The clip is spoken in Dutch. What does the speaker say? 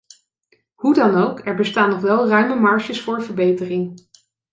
Hoe dan ook, er bestaan nog wel ruime marges voor verbetering.